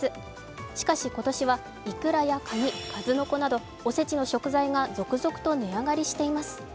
しかし、今年は、いくらやかに、数の子などお節の食材が続々と値上がりしています。